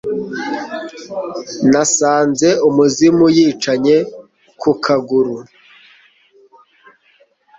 nasanze umuzimu yicanye ku kaguru